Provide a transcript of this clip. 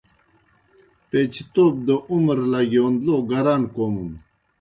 پیچتَوب دہ عمر لگِیون لو گران کوْمُن۔